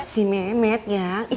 si mehmet ya